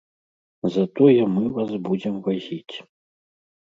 Затое мы вас будзем вазіць.